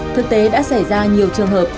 thực tế đã xảy ra nhiều trường hợp